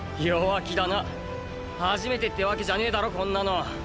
弱気だな初めてってわけじゃねぇだろこんなの。